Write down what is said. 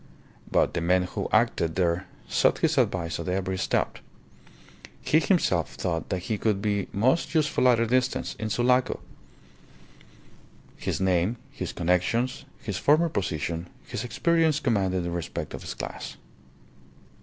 But the men who acted there sought his advice at every step. He himself thought that he could be most useful at a distance, in Sulaco. His name, his connections, his former position, his experience commanded the respect of his class.